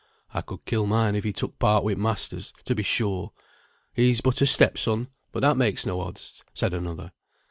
"I could kill mine if he took part wi' the masters; to be sure, he's but a step son, but that makes no odds," said another.